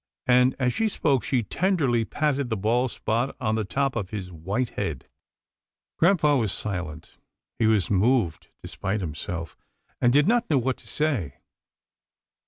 " and, as she spoke, she tenderly patted the bald spot on the top of his white head. Grampa was silent. He was moved despite him self, and did not know what to say.